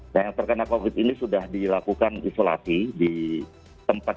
nah yang terkena covid ini sudah dilakukan isolasi di tempat